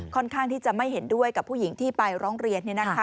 ข้างที่จะไม่เห็นด้วยกับผู้หญิงที่ไปร้องเรียน